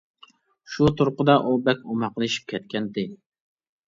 شۇ تۇرقىدا ئۇ بەك ئوماقلىشىپ كەتكەنىدى.